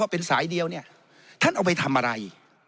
เป็นสายเดียวเนี่ยท่านเอาไปทำอะไร